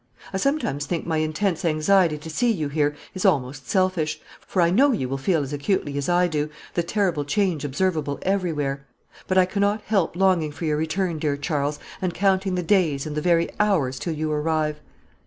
I sometimes think my intense anxiety to see you here is almost selfish; for I know you will feel as acutely as I do, the terrible change observable everywhere. But I cannot help longing for your return, dear Charles, and counting the days and the very hours till you arrive....